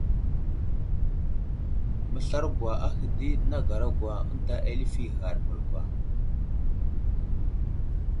Məslarogwa ahe di nəgaragwa ənta alifi ghar məlgwa.